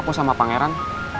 gue sama pangeran